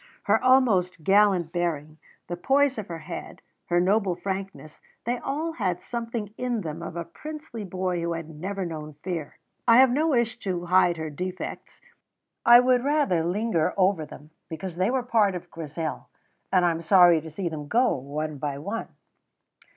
Her almost gallant bearing, the poise of her head, her noble frankness they all had something in them of a princely boy who had never known fear. I have no wish to hide her defects; I would rather linger over them, because they were part of Grizel, and I am sorry to see them go one by one.